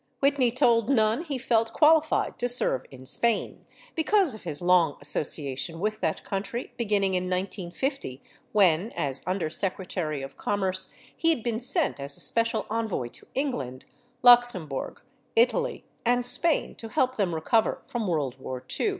Whitney told Nunn he felt qualified to serve in Spain, because of his long associa tion with that country beginning in 1950 when, as Under Secretary of Commerce, he had been sent as a Special Envoy to England, Lux embourg, Italy and Spain to help them recover from World War II.